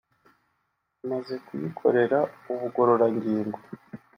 imaze kuyikorera ubugororangingo